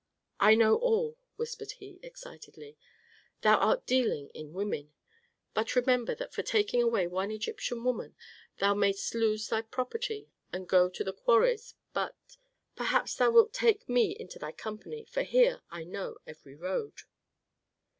"I know all," whispered he, excitedly. "Thou art dealing in women. But remember that for taking away one Egyptian woman thou mayst lose thy property and go to the quarries. But perhaps thou wilt take me into thy company, for here I know every road."